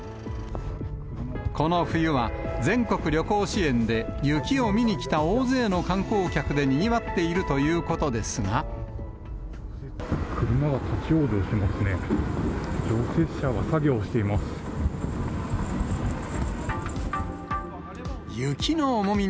この冬は、全国旅行支援で、雪を見に来た大勢の観光客でにぎわっているとい車が立往生していますね。